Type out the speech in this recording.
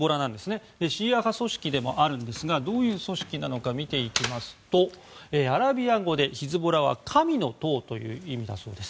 シーア派組織でもあるんですがどういう組織なのか見ていきますとアラビア語でヒズボラは神の党という意味だそうです。